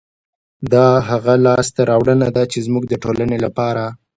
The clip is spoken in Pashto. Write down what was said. دا هغه لاسته راوړنه ده، چې زموږ د ټولنې لپاره